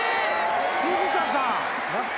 藤田さん。